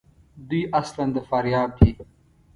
دوی اصلاُ د فاریاب دي.